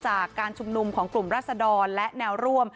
จากการชุมนุมของกลุ่มรัศดรและแนวร่วม